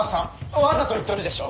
わざと言っとるでしょう！